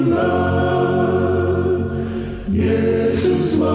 yesus mau datang segera